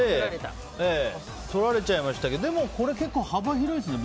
取られちゃいましたけどこれ結構幅広いですね。